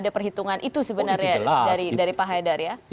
ada perhitungan itu sebenarnya dari pak haidar ya